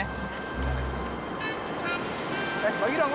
eh bagi dong